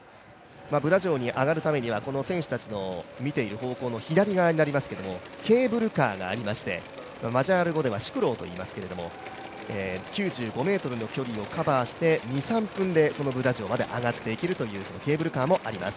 ブダ城に上がるためには、選手たちの見ている方向の左側になりますけどもケーブルカーがありましてマジャール語ではシプローといいますけれども９５ｍの距離をカバーしてそのブダ城まで上がっていけるというケーブルカーもあります。